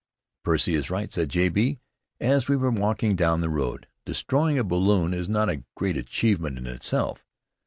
"Percy is right," said J. B. as we were walking down the road. "Destroying a balloon is not a great achievement in itself.